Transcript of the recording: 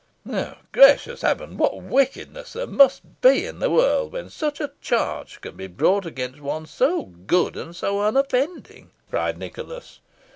"Gracious Heaven! what wickedness there must be in the world when such a charge can be brought against one so good and so unoffending," cried Nicholas.